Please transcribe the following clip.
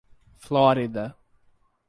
Flórida